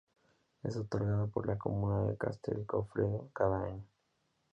Es otorgado por la comuna de Castel Goffredo cada año.